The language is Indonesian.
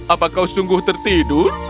apa kau sungguh tertidur